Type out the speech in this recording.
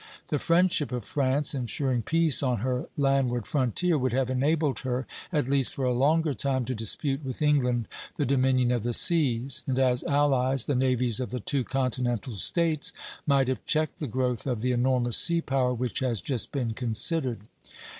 The friendship of France, insuring peace on her landward frontier, would have enabled her, at least for a longer time, to dispute with England the dominion of the seas; and as allies the navies of the two continental States might have checked the growth of the enormous sea power which has just been considered.